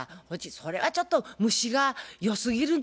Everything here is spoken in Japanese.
それはちょっと虫がよすぎるんと違いますか？